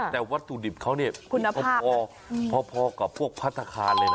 แต่วัตถุดิบเขาเนี่ยก็พอกับพวกพัฒนาคารเลยนะ